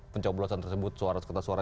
pencoblosan tersebut suara suara